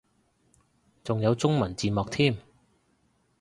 仲有中文字幕添